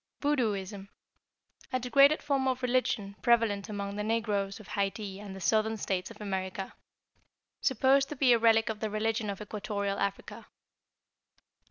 =Voodooism.= A degraded form of religion prevalent among the negroes of Hayti and the Southern States of America. Supposed to be a relic of the religion of equatorial Africa.